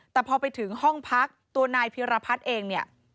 แต่พอไปถึงห้องพักตัวนายพิรพัฒน์เองเนี่ย